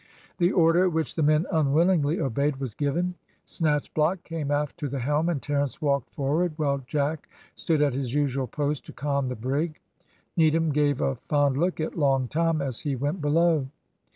The order, which the men unwillingly obeyed, was given. Snatchblock came aft to the helm, and Terence walked forward, while Jack stood at his usual post to con the brig. Needham gave a fond look at Long Tom as he went below.